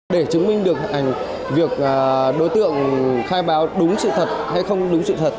để chứng minh được việc đối tượng khai báo đúng sự thật hay không đúng sự thật